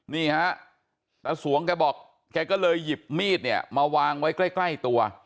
นี่ฮะตาสวงแกบอกแกก็เลยหยิบมีดเนี่ยมาวางไว้ใกล้ตัว